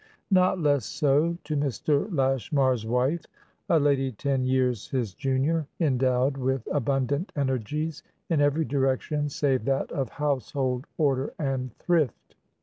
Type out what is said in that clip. Not less so to Mr. Lashmar's wife, a lady ten years his junior, endowed with abundant energies in every direction save that of household order and thrift.